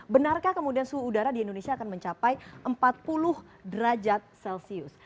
benarkah kemudian suhu udara di indonesia akan mencapai empat puluh derajat celcius